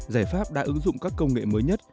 giải pháp đã ứng dụng các công nghệ mới nhất